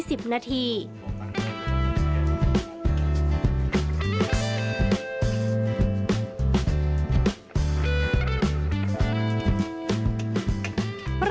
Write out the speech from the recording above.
ดีกว่าเกี่ยวขึ้นครับ